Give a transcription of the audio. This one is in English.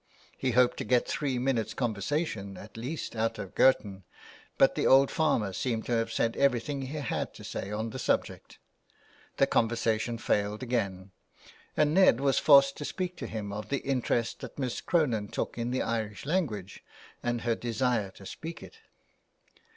He hoped to get three minutes' conversation, at least, out of Girton, but the old farmer seemed to have said everything he had to say on the subject. The conversation failed again, and Ned was forced to speak to him of the interest that Miss Cronin took in the Irish language and her desire to speak it.